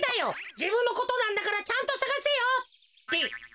じぶんのことなんだからちゃんとさがせよ！ってえっ？